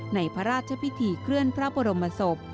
ในพระราชพิธีเคลื่อนพระบรมศพ